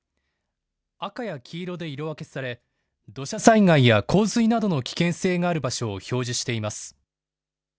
赤や黄色で色分けされ土砂災害や洪水などの危険性がある場所を表示しています。